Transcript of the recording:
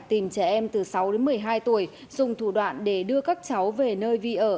tìm trẻ em từ sáu đến một mươi hai tuổi dùng thủ đoạn để đưa các cháu về nơi vi ở